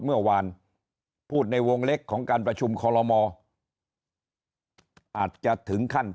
เมื่อวานพูดในวงเล็กของการประชุมคอลโลมอาจจะถึงขั้น